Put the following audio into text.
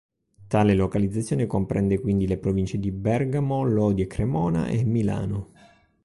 Tale localizzazione comprende quindi le provincie di Bergamo, Lodi e Cremona e Milano.